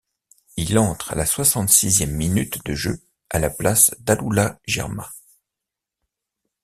Il entre à la soixante-sixième minute de jeu, à la place d'Alula Girma.